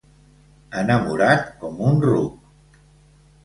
Enamorat com un ruc.